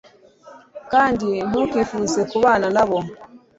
kandi ntukifuze kubana na bo